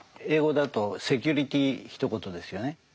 英語だとセキュリティひと言ですよね。